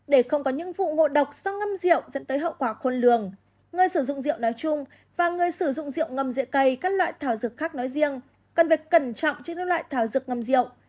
để không có những vụ ngộ độc do ngâm rượu dẫn tới hậu quả khôn lường người sử dụng rượu nói chung và người sử dụng rượu ngâm rượu cây các loại thảo dược khác nói riêng cần phải cẩn trọng trên các loại thảo dược ngâm rượu